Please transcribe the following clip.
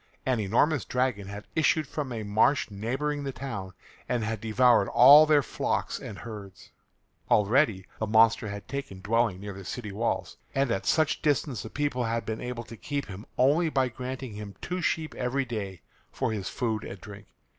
An enormous dragon had issued from a marsh neighbouring the town and had devoured all their flocks and herds. Already the monster had taken dwelling near the city walls, and at such distance the people had been able to keep him only by granting him two sheep every day for his food and drink.